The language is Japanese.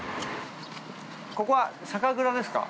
ここは酒蔵ですか。